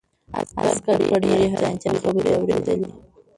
عسکر په ډېرې حیرانتیا خبرې اورېدلې.